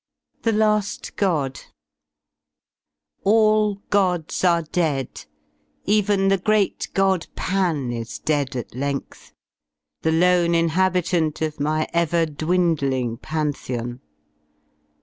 THE LAST GOD All Gods are dead, even the great God Pan Is dead at length; the lone inhabitant Of my ever dwindling Pantheon.